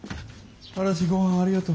嵐ごはんありがと。